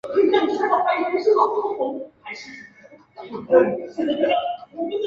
杂种鱼鳔槐为豆科鱼鳔槐属下的一个种。